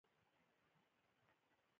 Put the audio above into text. افغانستان زما کور دی